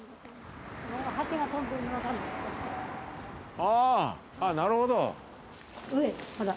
あなるほど。